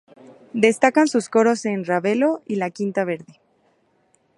Destacan sus coros en "Ravelo" y "La Quinta verde".